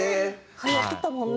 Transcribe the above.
はやってたもんね